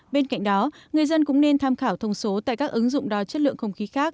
bên cạnh đó người dân cũng nên tham khảo thông số tại các ứng dụng đo chất lượng không khí khác